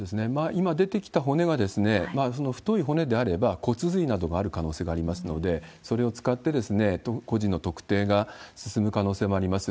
今出てきた骨が太い骨であれば、骨髄などがある可能性がありますので、それを使って、個人の特定が進む可能性もあります。